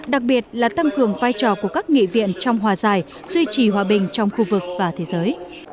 đặc biệt là tăng cường vai trò của các nghị viện trong hòa giải duy trì hòa bình trong khu vực và thế giới